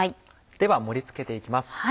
では盛り付けて行きます。